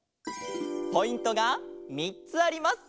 ポイントが３つあります。